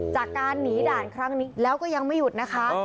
จากการหนีด่านครั้งนี้แล้วก็ยังไม่หยุดนะคะ